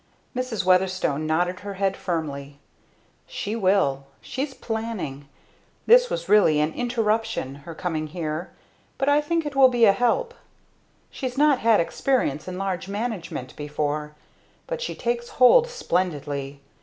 Mrs. Weatherstone nodded her head firmly. "She will. She's planning. This was really an interruption her coming here, but I think it will be a help she's not had experience in large management before, but she takes hold splendidly.